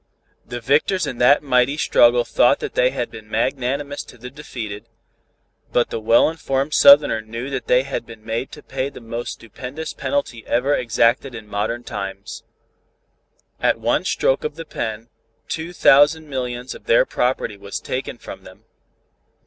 The victors in that mighty struggle thought they had been magnanimous to the defeated but the well informed Southerner knew that they had been made to pay the most stupendous penalty ever exacted in modern times. At one stroke of the pen, two thousand millions of their property was taken from them.